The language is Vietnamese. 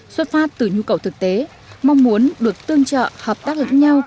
xuất phát từ nhu cầu thực tế mong muốn được tương trợ hợp tác lẫn nhau